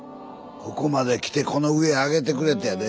ここまで来てこの上あげてくれてやで。